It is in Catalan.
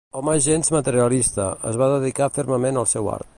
Home gens materialista, es va dedicar fermament al seu art.